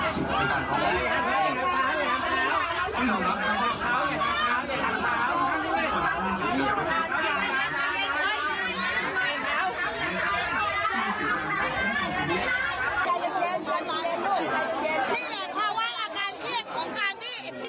โทษนะครับ